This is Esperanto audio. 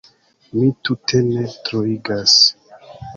Mi tute ne troigas.